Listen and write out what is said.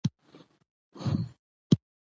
استعاره د تشبیه یو ډول دئ.